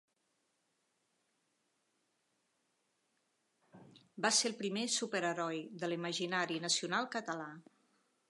Va ser el primer superheroi, de l'imaginari nacional català.